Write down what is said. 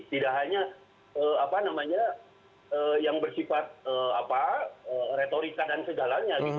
tidak hanya apa namanya yang bersifat retorika dan segalanya